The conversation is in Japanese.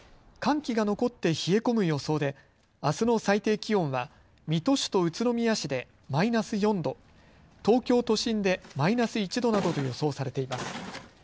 寒気が残って冷え込む予想であすの最低気温は水戸市と宇都宮市でマイナス４度、東京都心でマイナス１度などと予想されています。